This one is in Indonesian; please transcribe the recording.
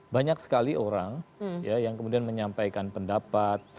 banyak sekali orang yang kemudian menyampaikan pendapat